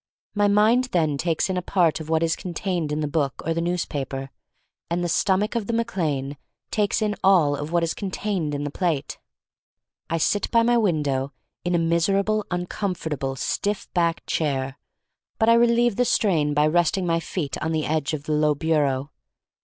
My mind then takes in a part of what is contained in the book or the newspaper, and the stomach of the Mac Lane takes in all THE STORY OF MARY MAC LANE 245 of what is contained in the plate. I sit by my window in a miserable, uncom fortable, stiff backed chair, but I relieve the strain by resting my feet on the edge of the low bureau.